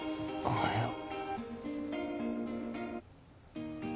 おはよう。